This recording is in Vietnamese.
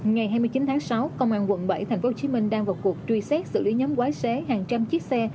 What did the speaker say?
ngày hai mươi chín tháng sáu công an quận bảy tp hcm đang vào cuộc truy xét xử lý nhóm quái xế hàng trăm chiếc xe